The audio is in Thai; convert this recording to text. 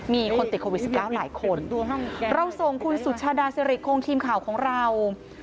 มีคนติดโควิด๑๙หลายคนเราส่งคุณสุชาดาสิริคงทีมข่าวของเรา